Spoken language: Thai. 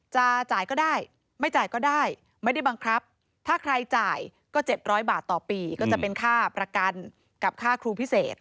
จะจ่ายก็ได้ไม่จ่ายก็ได้ไม่ได้บังคับถ้าใครจ่ายก็๗๐๐บาทต่อปีก็จะเป็นค่าประกันกับค่าครูพิเศษ